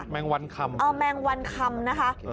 แมงวันคำแมงวันคำนะคะ